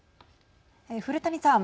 古谷さん。